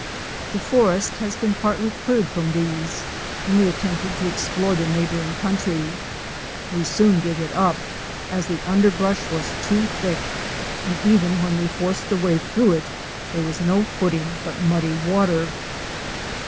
The forest has been partly cleared from these and we attempted to explore the neighboring country. We soon gave it up as the underbrush was too thick, and even when we forced a way Fic. 69. THREE YEAR Otps AT Homm IN THEIR WOOD SKIN. through it there was no footing but muddy water.